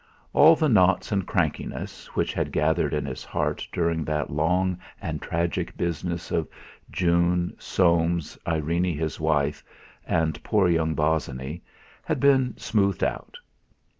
All the knots and crankiness, which had gathered in his heart during that long and tragic business of June, Soames, Irene his wife, and poor young Bosinney, had been smoothed out.